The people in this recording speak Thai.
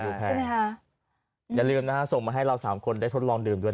แพงใช่ไหมคะอย่าลืมนะฮะส่งมาให้เราสามคนได้ทดลองดื่มด้วย